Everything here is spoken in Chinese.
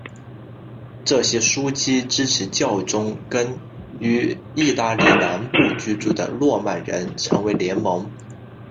这些枢机支持教宗跟于意大利南部居住的诺曼人成为联盟。